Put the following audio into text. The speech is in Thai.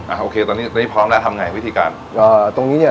โอเคตอนนี้ตอนนี้พร้อมแล้วทำไงวิธีการอ่าตรงนี้เนี้ย